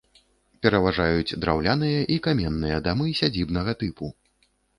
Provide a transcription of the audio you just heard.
Пераважаюць драўляныя і каменныя дамы сядзібнага тыпу.